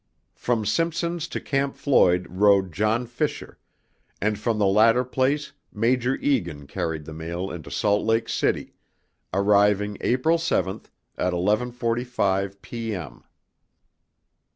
From Simpson's to Camp Floyd rode John Fisher, and from the latter place Major Egan carried the mail into Salt Lake City, arriving April 7, at 11:45 P. M.